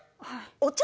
お茶